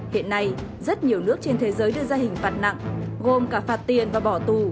hiện nay rất nhiều nước trên thế giới đưa ra hình phạt nặng gồm cả phạt tiền và bỏ tù